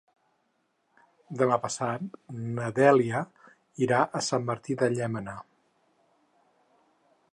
Demà passat na Dèlia irà a Sant Martí de Llémena.